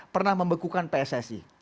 pernah membekukan pssi